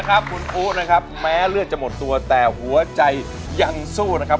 ครับคุณอุ๊นะครับแม้เลือดจะหมดตัวแต่หัวใจยังสู้นะครับ